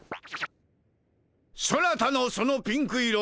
そなたのそのピンク色